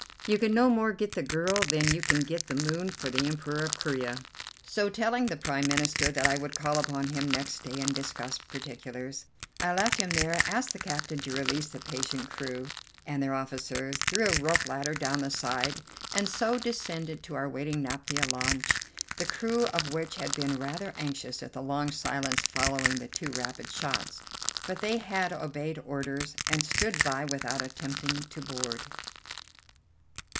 You can no more get the girl than you can get the moon for the Emperor of Corea." So, telling the Prime Minister that I would call upon him next day and discuss particulars, I left him there, asked the captain to release the patient crew and their officers, threw a rope ladder down the side, and so descended to our waiting naphtha launch, the crew of which had been rather anxious at the long silence following the two rapid shots; but they had obeyed orders and stood by without attempting to board.